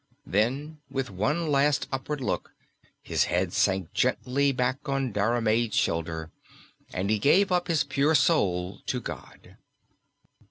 Then with one last upward look his head sank gently back on Diarmaid's shoulder and he gave up his pure soul to God.